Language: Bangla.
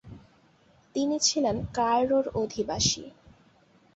তিনি ছিলেন কায়রোর অধিবাসী।